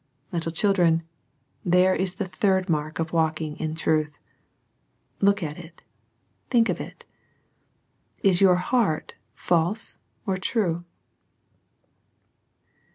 Little children, there is the third mark of walking in truth. Look at it Think of it. Is your heart false or true